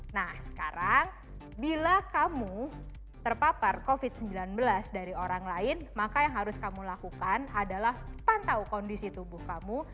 nah sekarang bila kamu terpapar covid sembilan belas dari orang lain maka yang harus kamu lakukan adalah pantau kondisi tubuh kamu